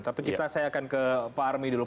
tapi saya akan ke pak army dulu